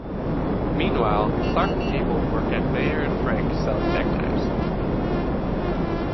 Meanwhile, Clark Gable worked at Meier and Frank selling neckties.